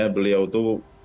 karena beliau itu